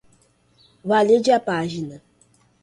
valide a página